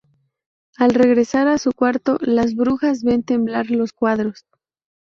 Al regresar a su cuarto las brujas ven temblar los cuadros.